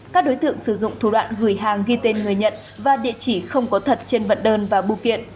các đối tượng sử dụng thủ đoạn gửi hàng ghi tên người nhận và địa chỉ không có thật trên vận đơn và bưu kiện